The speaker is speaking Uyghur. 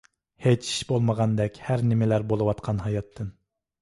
ھېچ ئىش بولمىغاندەك ھەر نىمىلەر بولىۋاتقان ھاياتتىن.